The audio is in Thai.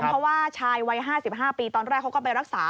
เพราะว่าชายวัย๕๕ปีตอนแรกเขาก็ไปรักษา